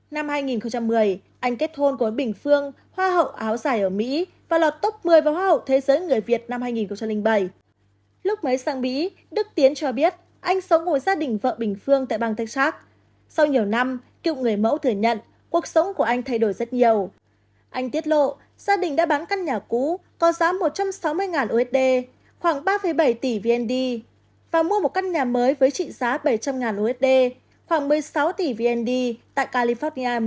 năm hai nghìn một mươi anh kết hôn với bình phương hoa hậu áo giải ở mỹ và lọt top một mươi vào hoa hậu thế giới người việt năm hai nghìn bảy